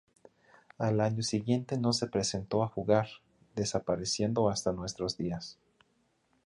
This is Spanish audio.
Al año siguiente no se presentó a jugar, desapareciendo hasta nuestros días.